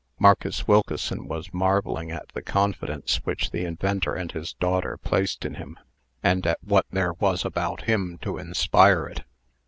Marcus Wilkeson was marvelling at the confidence which the inventor and his daughter placed in him, and at what there was about him to inspire it.